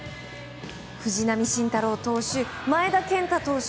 藤浪晋太郎投手前田健太投手